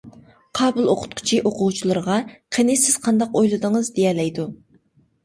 قابىل ئوقۇتقۇچى ئوقۇغۇچىلىرىغا: قېنى سىز قانداق ئويلىدىڭىز؟ دېيەلەيدۇ.